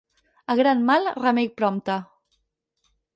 A gran mal, remei prompte.